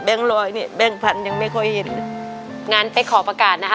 แบงก์ร้อยนี่แบงก์พันยังไม่ค่อยเห็นงั้นไปขอประกาศนะคะ